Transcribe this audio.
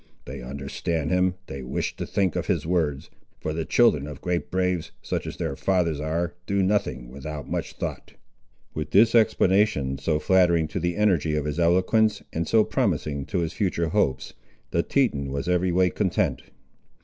They understand him; they wish to think of his words; for the children of great braves, such as their fathers are, do nothing with out much thought." With this explanation, so flattering to the energy of his eloquence, and so promising to his future hopes, the Teton was every way content.